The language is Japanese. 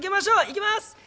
いきます！